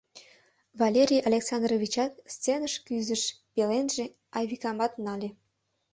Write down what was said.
Валерий Александровичат сценыш кӱзыш, пеленже Айвикамат нале.